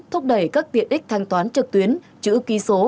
thúc đẩy các tiện ích thanh toán trực tuyến chữ ký số